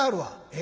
「え？」。